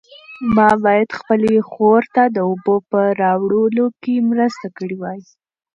ما باید خپلې خور ته د اوبو په راوړلو کې مرسته کړې وای.